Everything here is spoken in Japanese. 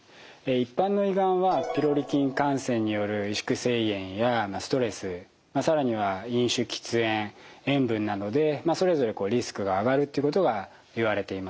一般の胃がんはピロリ菌感染による萎縮性胃炎やストレス更には飲酒喫煙塩分などでそれぞれリスクが上がるっていうことがいわれています。